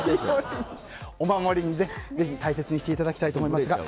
お守りに、ぜひ大切にしていただきたいですね。